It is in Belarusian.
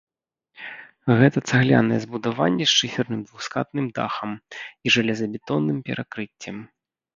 Гэта цагляныя збудаванні з шыферным двухскатным дахам і жалезабетонным перакрыццем.